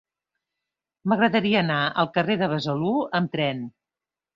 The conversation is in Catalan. M'agradaria anar al carrer de Besalú amb tren.